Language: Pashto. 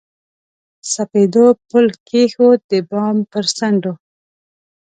سپېدو پل کښېښود، د بام پر څنډو